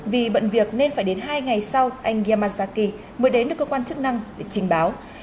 vì bận việc nên phải đến hai ngày sau anh yamazaki mới đến được cơ quan chức năng để trình báo